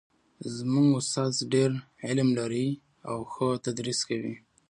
زموږ استاد ډېر علم لري او ښه تدریس کوي